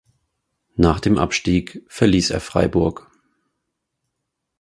Nach dem Abstieg verließ er Freiburg.